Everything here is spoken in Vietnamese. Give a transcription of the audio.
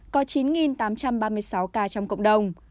có chín tám trăm ba mươi sáu ca trong cộng đồng